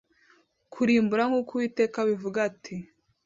kirimbura nk’uko Uwiteka abivuga ati